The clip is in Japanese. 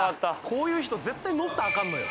こういう人絶対乗ったあかんのよ